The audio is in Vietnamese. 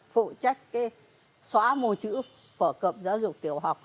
phụ trách cái xóa mồ chữ phở cập giáo dục tiểu học